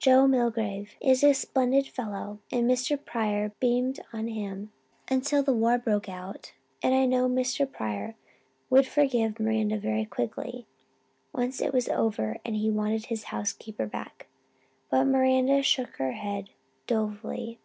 Joe Milgrave is a splendid fellow and Mr. Pryor fairly beamed on him until the war broke out and I know Mr. Pryor would forgive Miranda very quickly, once it was over and he wanted his housekeeper back. But Miranda shook her silvery head dolefully.